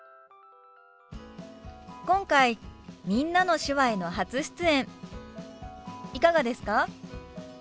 今回「みんなの手話」への初出演いかがですか？